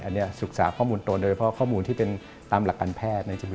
อันนี้ศูกสาความมุมตรง